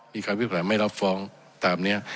มีความพิพากษาไม่รับฟ้องตามเนี่ย